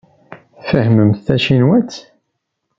Tfehhmemt tacinwat?